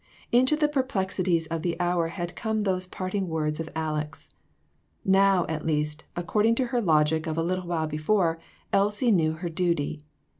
Into the per plexities of the hour had come those parting words of Aleck's. Now, at least, according to her logic of a little while before, Elsie knew her duty.